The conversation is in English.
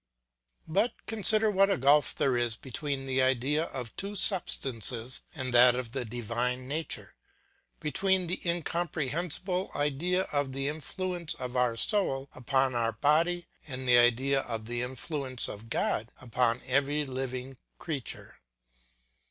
But consider what a gulf there still is between the idea of two substances and that of the divine nature, between the incomprehensible idea of the influence of our soul upon our body and the idea of the influence of God upon every living creature.